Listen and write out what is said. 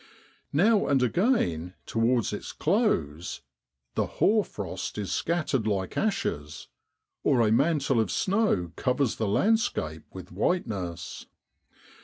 Now and again towards its close ' the hoar frost is scattered like ashes,' or a mantle of snow covers the landscape with whiteness.